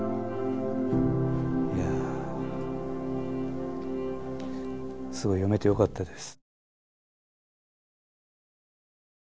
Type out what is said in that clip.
いやすごい読めてよかったです。